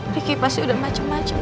ricky pasti udah macem macem